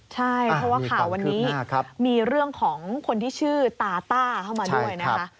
ใช่เพราะว่าข่าววันนี้มีเรื่องของคนที่ชื่อตาต้าเข้ามาด้วยนะคะ